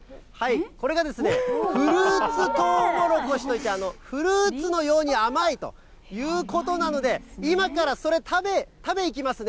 これがフルーツとうもろこしといって、フルーツのように甘いということなので今からそれ、食べに行きますね。